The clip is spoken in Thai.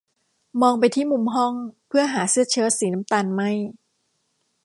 มองไปที่มุมห้อง เพื่อหาเสื้อเชิ๊ตสีน้ำตาลไหม้